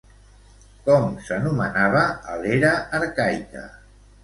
Com s'anomenava a l'era arcaica?